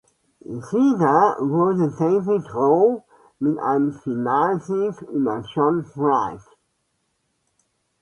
Sieger wurde David Roe mit einem Finalsieg über Jon Wright.